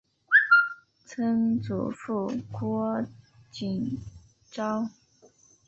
曾祖父郭景昭。